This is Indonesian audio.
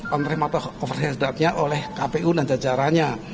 menerima kekuasaan sedatnya oleh kpu dan jajarannya